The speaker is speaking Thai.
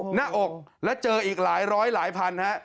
หน้าอกแล้วเจออีกหลายร้อยหลายพันฮะ